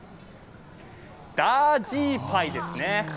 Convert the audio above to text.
ダージーパイですね。